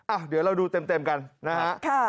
เดี๋ยวเราดูเต็มกันนะฮะ